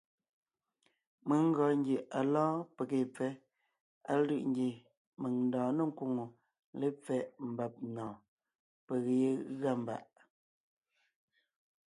Mèŋ gɔɔn ngie à lɔ́ɔn peg ye pfɛ́, á lʉ̂ʼ ngie mèŋ ńdɔɔn ne ńkwóŋo lépfɛ́ mbàb nɔ̀ɔn, peg yé gʉa mbàʼ.